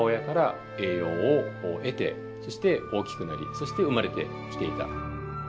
そして生まれてきていた。